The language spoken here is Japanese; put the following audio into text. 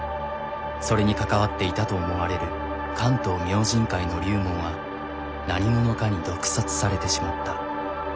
それに関わっていたと思われる「関東明神会」の龍門は何者かに毒殺されてしまった。